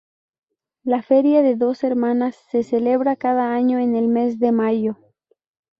La feria de Dos Hermanas se celebra cada año en el mes de mayo.